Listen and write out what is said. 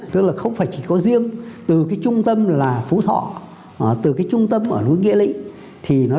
tức là không phải chỉ có riêng từ cái trung tâm là phú thọ từ cái trung tâm ở núi nghĩa lĩnh thì nó